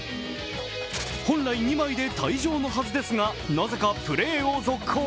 本来、２枚で退場のはずですがなぜかプレーを続行。